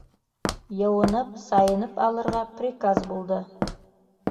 Йыуынып, сайынып алырға приказ булды.